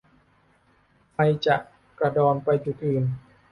ไฟจะกระดอนไปจุดอื่น